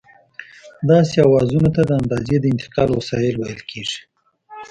داسې اوزارونو ته د اندازې د انتقال وسایل ویل کېږي.